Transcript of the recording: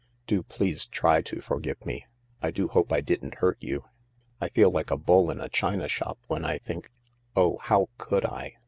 " Do please try to forgive me— I do hope I didn't hurt you. I feel like a bull in a china shop when I think Oh, how could I